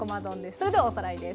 それではおさらいです。